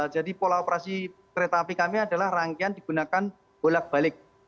jadi pola operasi kereta api kami adalah rangkaian digunakan bolak balik